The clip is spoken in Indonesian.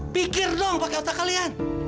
pikir dong pakai otak kalian